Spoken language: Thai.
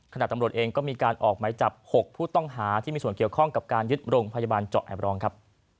ตำรวจเองก็มีการออกไหมจับ๖ผู้ต้องหาที่มีส่วนเกี่ยวข้องกับการยึดโรงพยาบาลเจาะแอบรองครับ